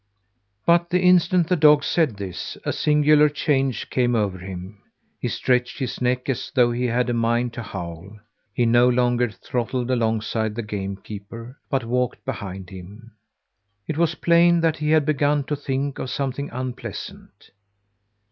But the instant the dog said this, a singular change came over him. He stretched his neck as though he had a mind to howl. He no longer trotted alongside the game keeper, but walked behind him. It was plain that he had begun to think of something unpleasant.